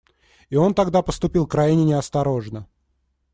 И он тогда поступил крайне неосторожно.